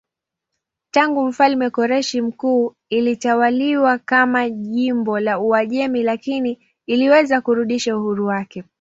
Tangu mfalme Koreshi Mkuu ilitawaliwa kama jimbo la Uajemi lakini iliweza kurudisha uhuru wake.